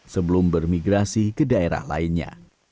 sebelum bermigrasi ke daerah lainnya